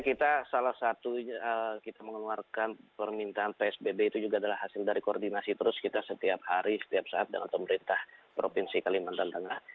kita salah satu kita mengeluarkan permintaan psbb itu juga adalah hasil dari koordinasi terus kita setiap hari setiap saat dengan pemerintah provinsi kalimantan tengah